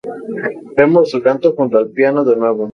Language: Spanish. Vemos su canto junto al piano de nuevo.